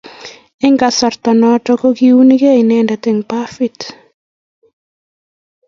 Eng kasarta notok kokiunike inendet eng bafit